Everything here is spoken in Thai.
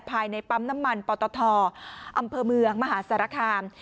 ภายในปั๊มน้ำมันปตทอำเภอเมืองมหาสารคาม